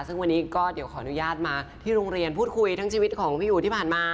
ซึ่งวันนี้ก็เดี๋ยวขออนุญาตมาที่โรงเรียนพูดคุยทั้งชีวิตของพี่อู๋ที่ผ่านมา